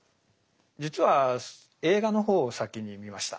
実は映画の方を先に見ました。